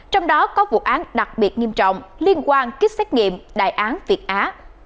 trong đó có vụ án đặc biệt nghiêm trọng liên quan kích xét nghiệm đại án việt á